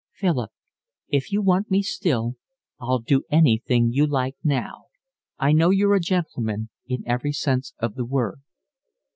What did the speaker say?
"Philip, if you want me still I'll do anything you like now. I know you're a gentleman in every sense of the word."